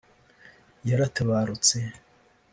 yaratabarutse